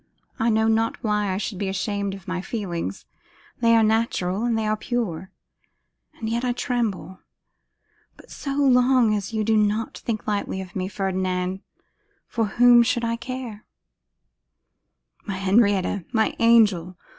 I know not why I should be ashamed of my feelings. They are natural, and they are pure. And yet I tremble. But so long as you do not think lightly of me, Ferdinand, for whom should I care?' 'My Henrietta! my angel!